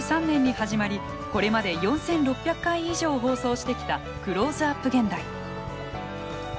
１９９３年に始まりこれまで４，６００回以上放送してきた「クローズアップ現代」。